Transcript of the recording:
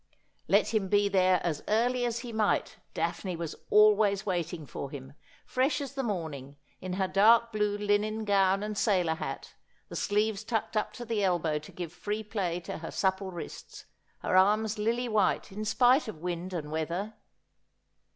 Let him be there as early as he might Daphne was always waiting for him, fresh as the morning, in her dark blue linen gown and sailor hat, the sleeves tucked up to the elbow to give free play to her supple wrists, her arms lily white in spite of wind and weather.